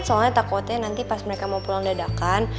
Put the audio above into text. soalnya takutnya nanti pas mereka mau pulang dadakan